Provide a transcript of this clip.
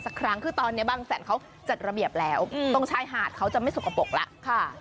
สักครั้งคือตอนนี้บางแสนเขาจัดระเบียบแล้วตรงชายหาดเขาจะไม่สกปรกแล้ว